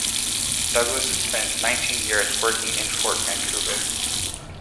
Douglas spent nineteen years working in Fort Vancouver.